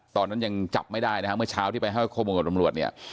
ตอนนั้นยังจับไม่ได้นะฮะเมื่อเช้าที่ไปให้ข้อมูลกับตำรวจเนี่ย